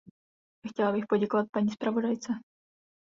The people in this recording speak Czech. Chtěla bych poděkovat paní zpravodajce.